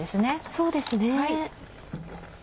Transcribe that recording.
そうですね。